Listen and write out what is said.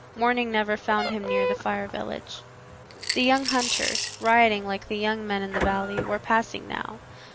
Morning never found him near the Fire Village. The young hunters, rioting like the young men in the valley, were passing now.